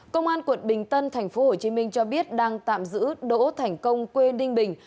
công an quận bình tân tp hcm cho biết đang tạm giữ đỗ thành công quê ninh bình